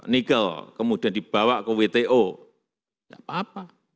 nikel kemudian dibawa ke wto nggak apa apa